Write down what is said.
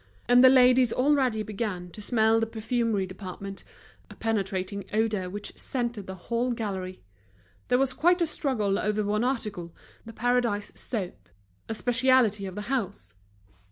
And the ladies already began to smell the perfumery department, a penetrating odor which scented the whole gallery. There was quite a struggle over one article, The Paradise soap, a specialty of the house.